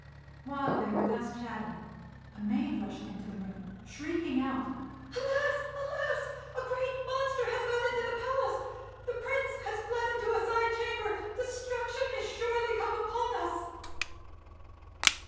While they were thus chatting a maid rushed into the room, shrieking out, "Alas, alas! a great monster has got into the palace: the Prince has fled into a side chamber: destruction is surely come upon us."